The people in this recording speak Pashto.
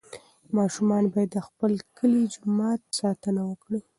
ماشومان باید د خپل کلي د جومات ساتنه وکړي.